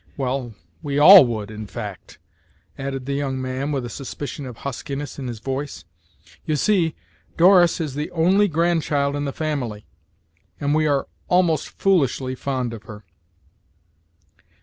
Well, we all would, in fact," added the young man, with a suspicion of huskiness in his voice. "You see, Doris is the only grandchild in the family, and we are almost foolishly fond of her."